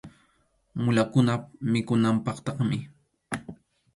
Mulakunap mikhunanpaqtaqmi.